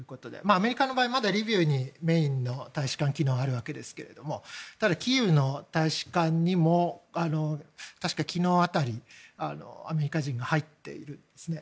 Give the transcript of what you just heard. アメリカの場合はまだリビウにメインの大使館機能はあるわけですけどもキーウの大使館にも確か昨日辺りアメリカ人が入っているんですね。